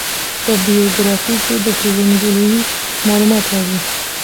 په بېوګرافي کښي د پېژندګلوي معلومات راځي.